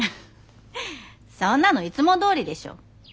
そんなのいつもどおりでしょ。